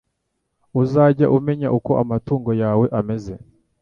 Uzajye umenya uko amatungo yawe ameze